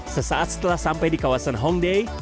sesaat setelah sampai di kawasan hongday